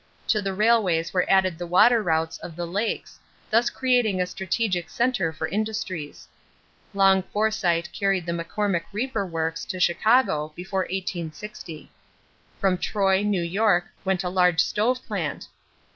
To the railways were added the water routes of the Lakes, thus creating a strategic center for industries. Long foresight carried the McCormick reaper works to Chicago before 1860. From Troy, New York, went a large stove plant.